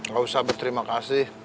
gak usah berterima kasih